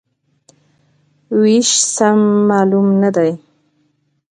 وېش سم معلوم نه دی.